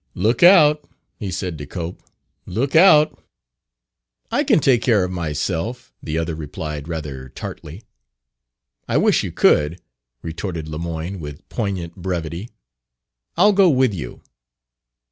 "Lookout!" he said to Cope. "Lookout!" "I can take care of myself," the other replied, rather tartly. "I wish you could!" retorted Lemoyne, with poignant brevity. "I'll go with you."